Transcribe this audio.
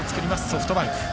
ソフトバンク。